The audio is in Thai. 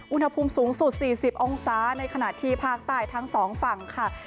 อุณหภูมิสูงสุด๔๐องศาในขณะที่ภาคใต้ทั้งสองฝั่งค่ะ